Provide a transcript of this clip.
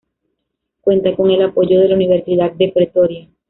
Cuenta con el apoyo de la Universidad de Pretoria.